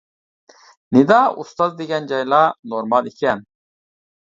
نىدا ئۇستاز دېگەن جايلار نورمال ئىكەن.